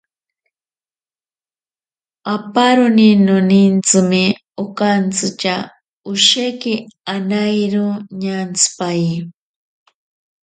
Aparoni nonintsime nokantshitya, osheki anairo ñantsipaye.